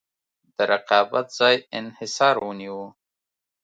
د رقابت ځای انحصار ونیوه.